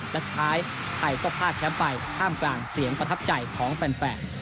และสุดท้ายไทยก็พลาดแชมป์ไปท่ามกลางเสียงประทับใจของแฟน